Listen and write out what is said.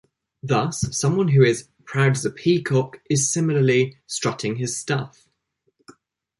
Thus, someone who is "proud as a peacock" is similarly "strutting his stuff".